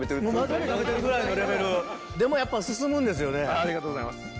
でもありがとうございます。